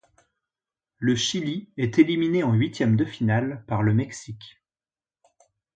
Le Chili est éliminé en huitièmes de finale par le Mexique.